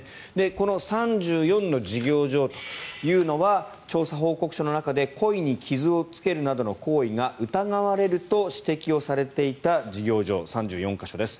この３４の事業場というのは調査報告書の中で故意に傷をつけるなどの行為が疑われると指摘をされていた事業場、３４か所です。